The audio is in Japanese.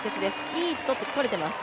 いい位置、取れています